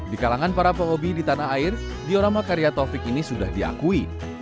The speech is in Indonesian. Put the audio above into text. di kalangan para pehobi di tanah air diorama karya taufik ini sudah diakui